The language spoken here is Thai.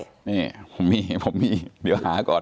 นี่ผมมีผมมีเดี๋ยวหาก่อน